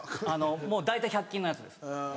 もう大体１００均のやつです。